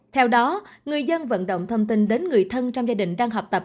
theo đó người dân vận động thông tin đến người thân trong gia đình đang học tập